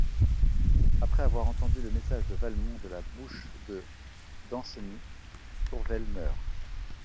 Après avoir entendu le message de Valmont de la bouche de Danceny, Tourvel meurt.